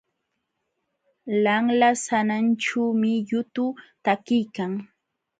Lanla sananćhuumi yutu takiykan.